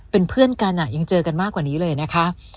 เป็นเพื่อนกันยังเจอกันมากกว่านี้เลยนะคะ